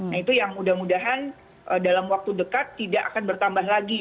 nah itu yang mudah mudahan dalam waktu dekat tidak akan bertambah lagi